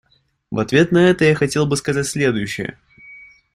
В ответ на это я хотел бы сказать следующее.